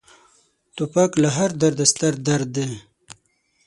توپک له هر درده ستر درد دی.